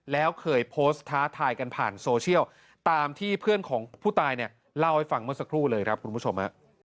แล้วเคยโพสต์ท้าทายกันผ่านโซเชียลตามที่เพื่อนของผู้ตายเนี่ยเล่าให้ฟังเมื่อสักครู่เลยครับคุณผู้ชม